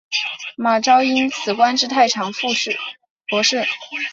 马韶因此官至太常博士。